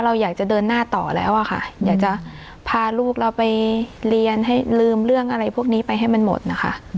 เราอยากจะเดินหน้าต่อแล้วอะค่ะอยากจะพาลูกเราไปเรียนให้ลืมเรื่องอะไรพวกนี้ไปให้มันหมดนะคะ